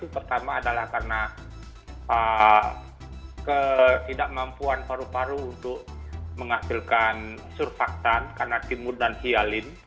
pertama adalah karena ketidakmampuan paru paru untuk menghasilkan surfaktan karena timur dan hialin